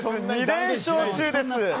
２連勝中です。